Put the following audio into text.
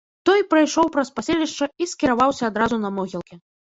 Той прайшоў праз паселішча і скіраваўся адразу на могілкі.